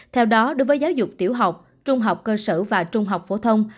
theo đó đối với giáo dục tiểu học trung học cơ sở và trung học phổ thông